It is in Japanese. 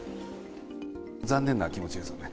残念な気持ちですよね。